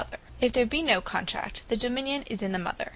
Or Education; If there be no Contract, the Dominion is in the Mother.